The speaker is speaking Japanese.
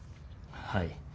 はい。